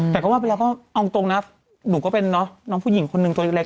แต่ก็ว่าไปแล้วก็เอาตรงนะหนูก็เป็นน้องผู้หญิงคนนึงตัวเล็ก